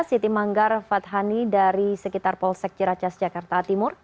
siti manggar fathani dari sekitar polsek ciracas jakarta timur